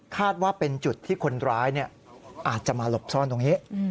ว่าเป็นจุดที่คนร้ายอาจจะมาหลบซ่อนตรงนี้